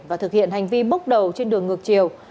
và thực hiện hành vi bốc đầu trên đường ngược chiều